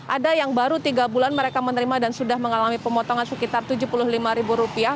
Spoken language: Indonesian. ada yang baru tiga bulan mereka menerima dan sudah mengalami pemotongan sekitar tujuh puluh lima ribu rupiah